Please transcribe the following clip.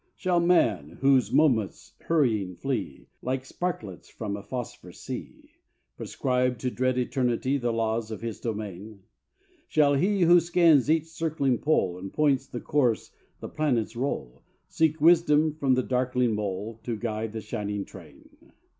Shall man, whose moments hurrying flee, Like sparklets from a phosphor sea, Prescribe to dread Eternity The laws of His domain? Shall He who scans each circling pole, And points the course the planets roll, Seek wisdom from the darkling mole To guide the shining train?